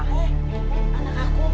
eh anak aku